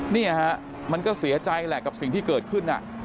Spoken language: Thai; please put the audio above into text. เนี่ยฮะมันก็เสียใจแหละกับสิ่งที่เกิดขึ้น